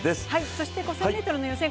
そして、５０００ｍの予選